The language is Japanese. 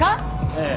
ええ。